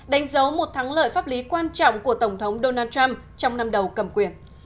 đánh dấu một thắng lợi pháp lý quan trọng của tổng thống donald trump trong năm đầu cầm quyền